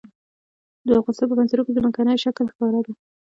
د افغانستان په منظره کې ځمکنی شکل ښکاره ده.